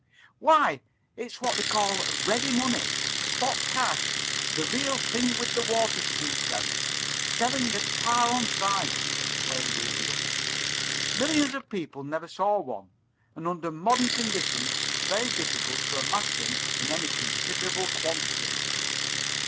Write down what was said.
"Why it's what they call ready money, spot cash, the real thing with the water squeezed out, selling at par on sight," explained the Idiot. "Millions of people never saw one, and under modern conditions it is very difficult to amass them in any considerable quantity.